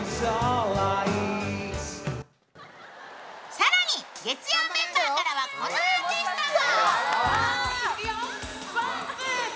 更に、月曜メンバーからはこのアーティストも。